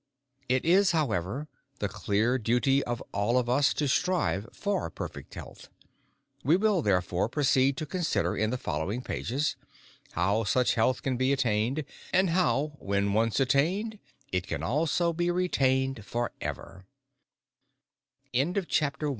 It is, however, the clear duty of all of us to strive for perfect health. We will, therefore, proceed to consider in the following pages how such health can be attained, and how, when once attained, it can also be retained for ever.